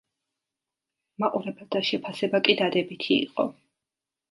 მაყურებელთა შეფასება კი დადებითი იყო.